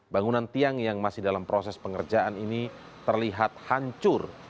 bangunan tiang yang masih dalam proses pengerjaan ini terlihat hancur